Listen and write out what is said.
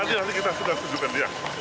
teknisnya gimana itu pak